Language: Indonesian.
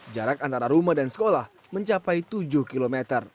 jarak antara rumah dan sekolah mencapai tujuh km